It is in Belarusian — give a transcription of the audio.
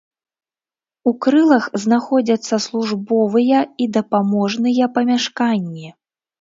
У крылах знаходзяцца службовыя і дапаможныя памяшканні.